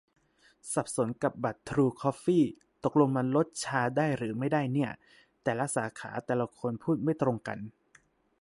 สับสนกับบัตรทรูคอฟฟี่ ตกลงมันลด ชา ได้หรือไม่ได้เนี่ย แต่ละสาขาแต่ละคนพูดไม่ตรงกัน